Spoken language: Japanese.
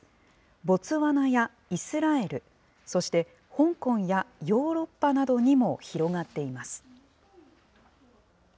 ボツワナやイスラエル、そして香港やヨーロッパなどにも広がっています。